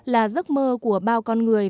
là giấc mơ của bao con người